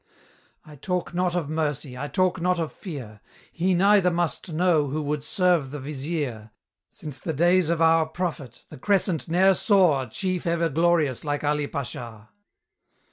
I talk not of mercy, I talk not of fear; He neither must know who would serve the Vizier; Since the days of our prophet, the crescent ne'er saw A chief ever glorious like Ali Pasha.